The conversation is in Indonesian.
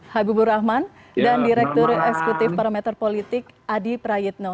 habibur rahman dan direktur eksekutif parameter politik adi prayitno